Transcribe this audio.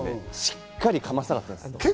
しっかり、かませたかったんです。